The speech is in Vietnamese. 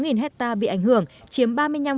tám tám nghìn hectare bị ảnh hưởng chiếm ba mươi năm